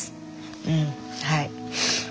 うんはい。